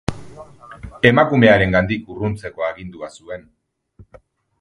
Emakumearengandik urruntzeko agindua zuen.